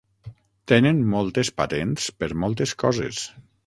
Tenen moltes patents per moltes coses.